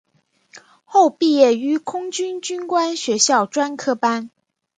后毕业于空军军官学校专科班。